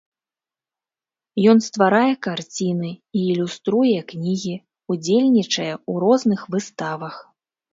Ён стварае карціны і ілюструе кнігі, удзельнічае ў розных выставах.